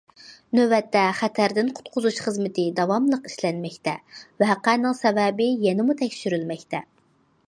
نۆۋەتتە، خەتەردىن قۇتقۇزۇش خىزمىتى داۋاملىق ئىشلەنمەكتە، ۋەقەنىڭ سەۋەبى يەنىمۇ تەكشۈرۈلمەكتە.